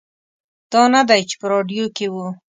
دا نه دی چې په راډیو کې و.